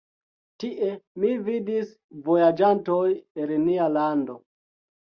Tie mi vidis vojaĝantoj el nia lando.